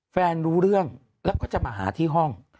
รู้เรื่องแล้วก็จะมาหาที่ห้อง